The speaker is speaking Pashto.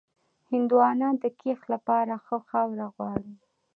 هندوانه د کښت لپاره ښه خاوره غواړي.